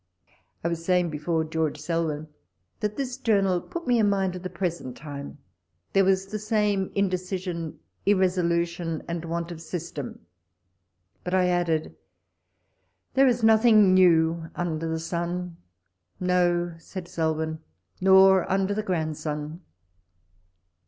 I was saying before George Selwyn, that this journal put me in mind of the present time, there was the same inde cision, irresolution, and want of system ; but I added, "There is nothing new under the sun." "No," said Selwyn, "nor under the grandson."